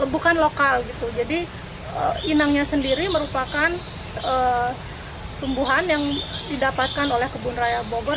bukan lokal gitu jadi inangnya sendiri merupakan tumbuhan yang didapatkan oleh kebun raya bogor